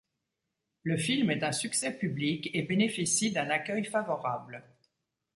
Le film est un succès public et bénéficie d'un accueil favorable.